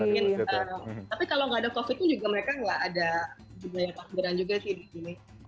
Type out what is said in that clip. tapi kalau nggak ada covid tuh mereka juga nggak ada juga ya takbiran juga sih di sini